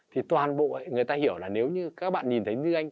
thì toàn bộ người ta hiểu là nếu như các bạn nhìn thấy như anh